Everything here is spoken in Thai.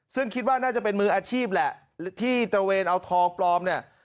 ซึ่งคิดว่าน่าจะเป็นมืออาชีพแหละที่ตระเวนเอาทองปลอมเนี่ย